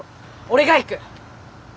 俺が行く！